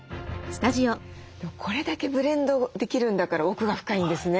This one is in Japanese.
でもこれだけブレンドできるんだから奥が深いんですね。